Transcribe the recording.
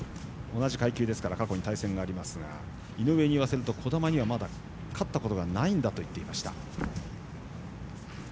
同じ階級ですから過去に対戦がありますが井上に言わせると児玉にはまだ勝ったことがないと言っていました。